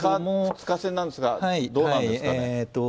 ２日制なんですが、どうなんですかね。